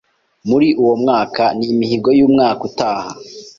muri uwo mwaka n’imihigo y’umwaka utaha.